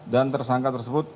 dan tersangka tersebut